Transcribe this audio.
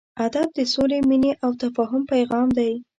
ادب د سولې، مینې او تفاهم پیغام دی.